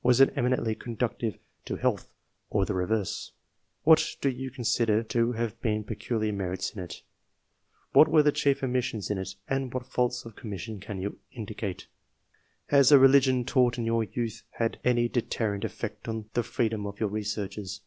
Was it eminently conducive to health or the reverse ? What do you consider to have been peculiar merits in it ? What were the chief omissions in it, and what faults of commission can you indicate ? Has the religion taught in your youth had any deterrent effect on the freedom of your researches